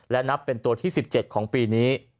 และนับเป็นตัวที่๑๗ของปีนี้